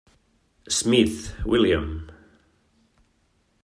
Smith, William.